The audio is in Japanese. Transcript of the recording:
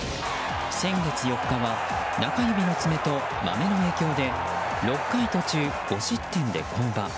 先月４日は中指の爪とマメの影響で６回途中５失点で降板。